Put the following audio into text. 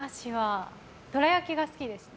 お菓子はどら焼きが好きですね。